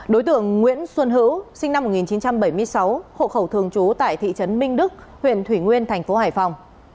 đối tượng nguyễn xuân hữu sinh năm một nghìn chín trăm bảy mươi sáu hộ khẩu thường trú tại thị trấn minh đức huyện thủy nguyên thành phố hải phòng